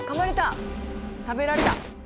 食べられた。